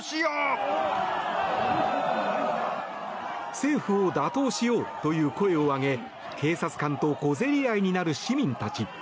政府を打倒しようという声を上げ警察官と小競り合いになる市民たち。